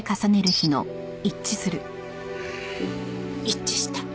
一致した。